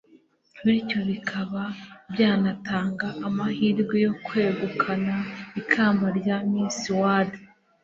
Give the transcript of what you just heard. bityo bikaba byanatanga amahirwe yo kwegukana ikamba rya miss world